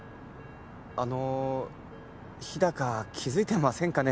あの日高気付いてませんかね？